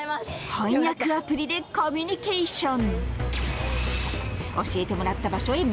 翻訳アプリでコミュニケーション！